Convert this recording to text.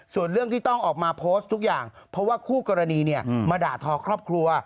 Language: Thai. ส่วนเรื่องที่ต้องออกมาโพสต์ทุกอย่างเพราะว่าคู่กรณีมาด่าทอครอบครัว